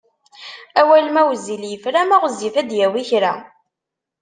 Awal ma wezzil yefra ma ɣezzif ad d-yawi kra.